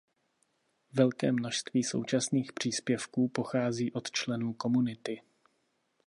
Velké množství současných příspěvků pochází od členů komunity.